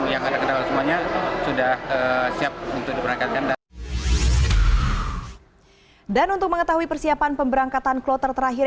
yang semuanya sudah siap untuk diperangkatkan dan untuk mengetahui persiapan pemberangkatan kloter terakhir